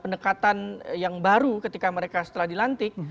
pendekatan yang baru ketika mereka setelah dilantik